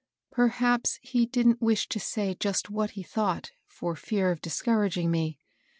Perhaps he didn't wish to say just what he thought, for fear of discouraging me.